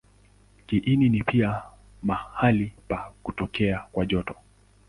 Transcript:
Kiini ni pia mahali pa kutokea kwa joto.